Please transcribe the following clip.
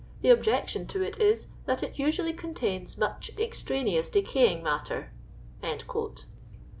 The objection to it is, that it usually contains much extraneous decaying mat ter."